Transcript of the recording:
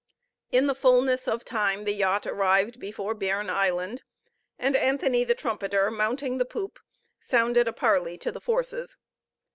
In the fulness of time the yacht arrived before Bearn Island, and Anthony the Trumpeter, mounting the poop, sounded a parly to the forces.